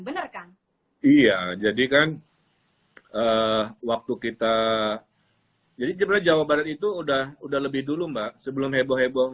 bener kan iya jadikan waktu kita jadi jawa barat itu udah udah lebih dulu mbak sebelum heboh heboh